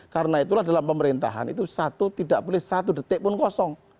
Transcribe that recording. karena itulah dalam pemerintahan itu satu tidak boleh satu detik pun kosong